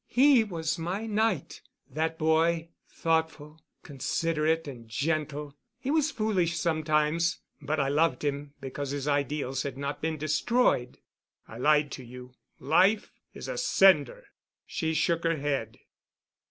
He was my knight, that boy, thoughtful, considerate, and gentle. He was foolish sometimes, but I loved him because his ideals had not been destroyed." "I lied to you. Life is a cinder." She shook her head.